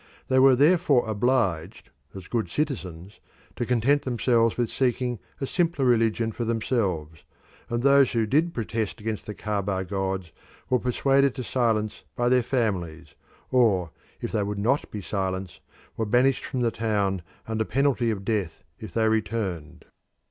They were therefore obliged as good citizens to content themselves with seeking a simpler religion for themselves, and those who did protest against the Caaba gods were persuaded to silence by their families, or, if they would not be silent, were banished from the town under penalty of death if they returned.